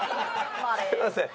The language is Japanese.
すみません。